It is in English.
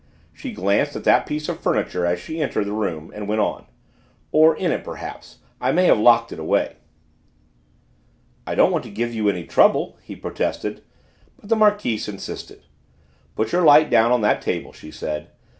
She glanced at that piece of furniture as she entered the room, and went on, "Or in it, perhaps; I may have locked it away." "I don't want to give you any trouble," he protested, but the Marquise insisted. "Put your light down on that table," she said.